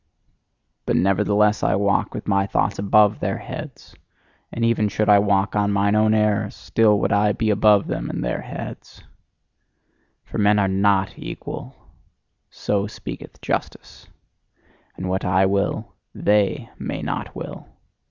But nevertheless I walk with my thoughts ABOVE their heads; and even should I walk on mine own errors, still would I be above them and their heads. For men are NOT equal: so speaketh justice. And what I will, THEY may not will!